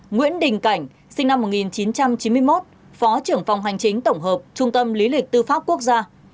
nguyễn đình cảnh sinh năm một nghìn chín trăm chín mươi một phó trưởng phòng hành chính tổng hợp trung tâm lý lịch tư pháp quốc gia